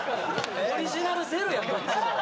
オリジナルゼロやどっちも。